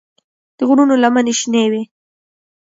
د غرونو لمنې شنه وې.